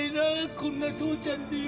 こんな父ちゃんでよ。